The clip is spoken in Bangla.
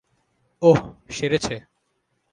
ওহ, সেরেছে।